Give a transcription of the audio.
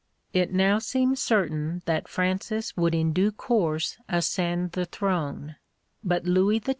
It now seemed certain that Francis would in due course ascend the throne; but Louis XII.